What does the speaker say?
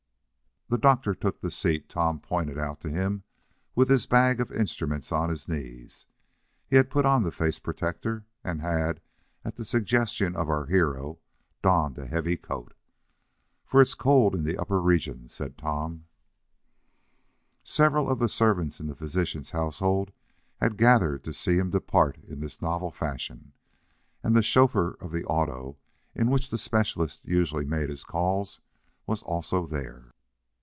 The doctor took the seat Tom pointed out to him, with his bag of instruments on his knees. He put on the face protector, and had, at the suggestion of our hero, donned a heavy coat. "For it's cold in the upper regions," said Tom. Several servants in the physician's household had gathered to see him depart in this novel fashion, and the chauffeur of the auto, in which the specialist usually made his calls, was also there.